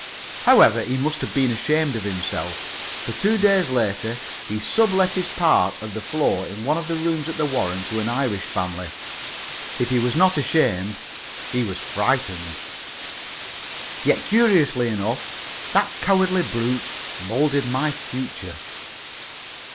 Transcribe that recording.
However, he must have been ashamed of himself, for two days later he sub let his part of the floor in one of the rooms at the Warren to an Irish family. If he was not ashamed, he was frightened. Yet, curiously enough, that cowardly brute moulded my future.